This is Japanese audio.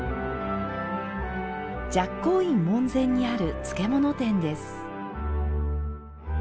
寂光院門前にある漬物店です。